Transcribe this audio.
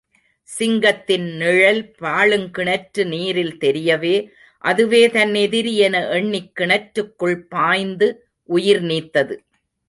சிங்கத்தின் நிழல் பாழுங்கிணற்று நீரில் தெரியவே, அதுவே தன் எதிரி என எண்ணிக் கிணற்றுக்குள் பாய்ந்து உயிர் நீத்தது.